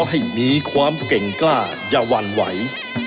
ให้มีความเก่งกล้าอย่าหวั่นไหว